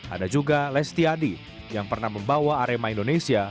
ada juga lesti adi yang pernah membawa arema indonesia